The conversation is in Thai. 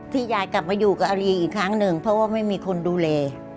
ยายกลับมาอยู่กับอารีอีกครั้งหนึ่งเพราะว่าไม่มีคนดูแล